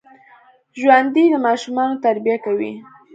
ژوندي د ماشومانو تربیه کوي